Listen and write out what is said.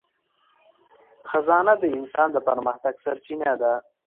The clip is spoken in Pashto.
خزانه د انسان د پرمختګ سرچینه ده.